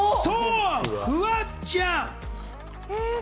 そうフワちゃん！